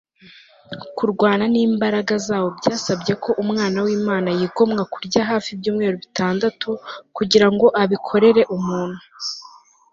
k kurwana n'imbaraga zawo byasabye ko umwana w'imana yigomwa kurya hafi ibyumweru bitandatu kugira ngo abikorere umuntu